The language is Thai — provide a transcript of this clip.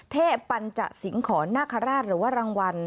เทพปัญจสิงหอนนาคาราชหรือว่ารางวัล